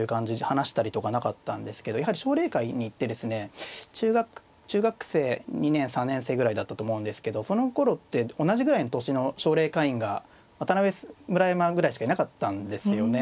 話したりとかなかったんですけどやはり奨励会に行ってですね中学生２年３年生ぐらいだったと思うんですけどそのころって同じぐらいの年の奨励会員が渡辺村山ぐらいしかいなかったんですよね。